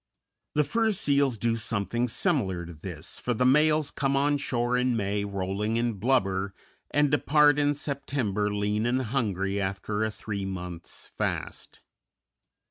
The fur seals do something similar to this, for the males come on shore in May rolling in blubber, and depart in September lean and hungry after a three months' fast.